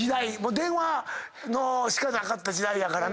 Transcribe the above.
電話しかなかった時代やからな。